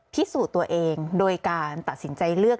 พิสูจน์ตัวเองโดยการตัดสินใจเลือก